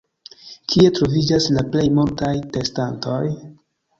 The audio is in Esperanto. Kie troviĝas la plej multaj testantoj?